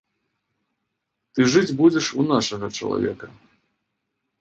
Ты жыць будзеш у нашага чалавека.